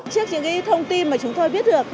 trước những thông tin mà chúng tôi biết được